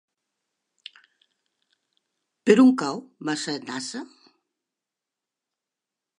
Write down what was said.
Per on cau Massanassa?